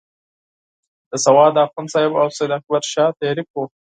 د سوات د اخوند صاحب او سید اکبر شاه تحریک وو.